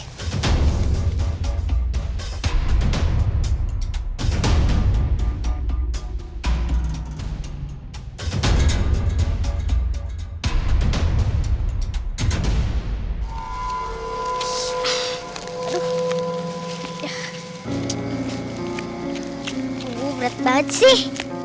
aduh berat banget sih